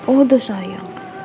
oh tuh sayang